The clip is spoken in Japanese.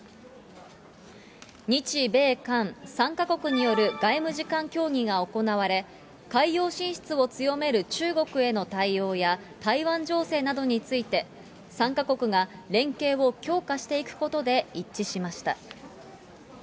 日米韓３か国による外務次官協議が行われ、海洋進出を強める中国への対応や、台湾情勢などについて、３か国が連携を強化していくことで一致しました。